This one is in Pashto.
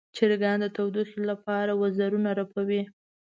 چرګان د تودوخې لپاره وزرونه رپوي.